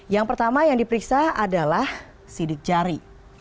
yang pertama yang diperiksa adalah sidik jari